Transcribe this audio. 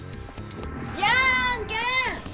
じゃあんけんッ！